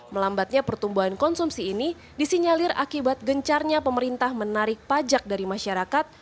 melambatnya pertumbuhan konsumsi ini disinyalir akibat gencarnya pemerintah menarik pajak dari masyarakat